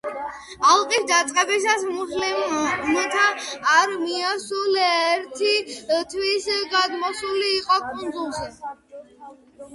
ალყის დაწყებისას, მუსლიმთა არმია სულ ერთი თვის გადმოსული იყო კუნძულზე.